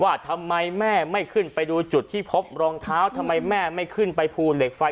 ทำไมแม่ไม่ขึ้นไปดูจุดที่พบรองเท้าทำไมแม่ไม่ขึ้นไปภูเหล็กไฟ